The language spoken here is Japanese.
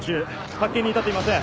発見に至っていません。